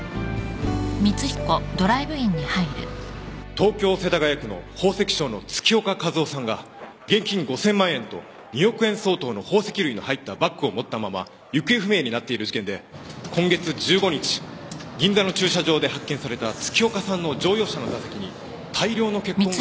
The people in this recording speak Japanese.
東京世田谷区の宝石商の月岡和夫さんが現金５，０００万円と２億円相当の宝石類の入ったバッグを持ったまま行方不明になっている事件で今月１５日銀座の駐車場で発見された月岡さんの乗用車の座席に大量の血痕が見つかりました。